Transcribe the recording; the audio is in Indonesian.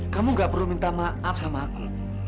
kamu gak perlu minta maaf sama aku